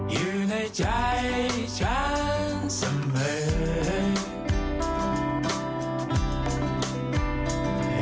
อยู่ในใจฉันเสมอ